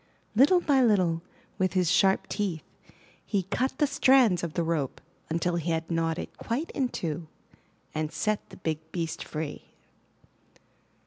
Little by little, with his sharp teeth, he cut the strands of the rope until he had gnawed it quite in two, and set the big beast free.